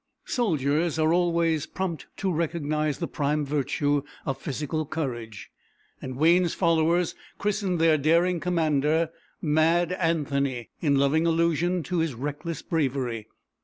Soldiers are always prompt to recognize the prime virtue of physical courage, and Wayne's followers christened their daring commander "Mad Anthony," in loving allusion to his reckless bravery.